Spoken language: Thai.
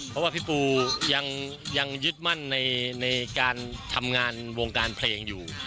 เพราะว่าพี่ปูยังยึดมั่นในการทำงานวงการเพลงอยู่